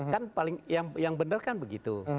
kan yang bener kan begitu